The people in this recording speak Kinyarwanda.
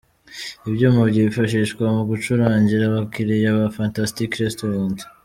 Ibyuma byifashishwa mu gucurangira abakiriya ba Fantastic Restaurant.